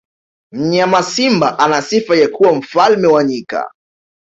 mnyama simba ana sifa ya kuwa mfalme wa nyika